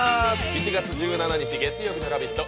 ７月１７日月曜日の「ラヴィット！」